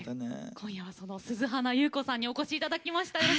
今夜は鈴華ゆう子さんにお越しいただきました。